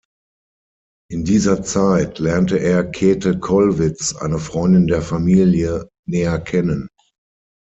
In dieser Zeit lernte er Käthe Kollwitz, eine Freundin der Familie, näher kennen.